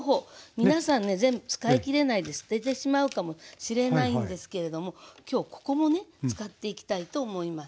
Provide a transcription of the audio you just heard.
皆さんね全部使い切れないで捨ててしまうかもしれないんですけれども今日ここもね使っていきたいと思います。